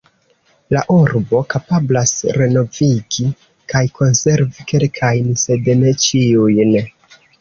La urbo kapablas renovigi kaj konservi kelkajn, sed ne ĉiujn.